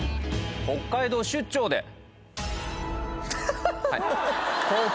北海道出張で。